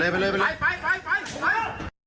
ไปเลย